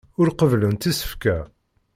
Ur qebblent isefka.